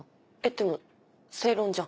でも正論じゃん？